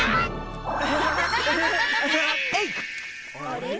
あれ？